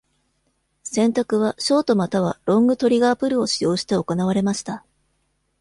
選択は、ショートまたはロングトリガープルを使用して行われました。